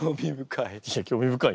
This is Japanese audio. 興味深い。